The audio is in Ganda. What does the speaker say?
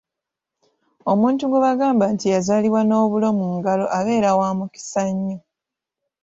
Omuntu gwe bagamba nti yazaalibwa n’obulo mu ngalo abeera wa mukisa nnyo.